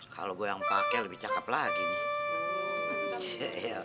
kalau gue yang pakai lebih cakep lagi nih